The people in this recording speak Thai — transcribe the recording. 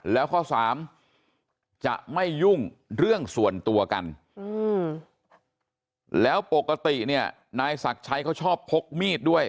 แล้วข้อสามจะไม่ยุ่งเรื่องส่วนตัวกันแล้วปกติเนี่ยนายศักดิ์ชัยเขาชอบพกมีดด้วย